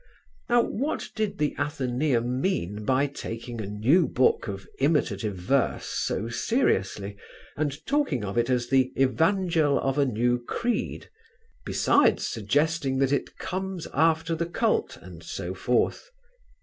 Now what did The Athenæum mean by taking a new book of imitative verse so seriously and talking of it as the "evangel of a new creed," besides suggesting that "it comes after the cult," and so forth?